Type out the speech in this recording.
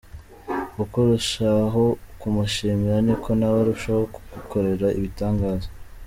Uko urushaho kumushimira niko nawe arushaho kugukorera ibitangaza.